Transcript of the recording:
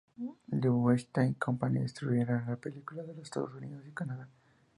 The Weinstein Company distribuirá la película en los Estados Unidos y Canadá.